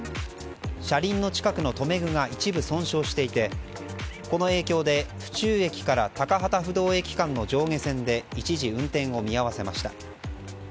車輪の近くの留め具が一部損傷していてこの影響で、府中駅から高幡不動駅間の上下線で一時運転を見合わせました。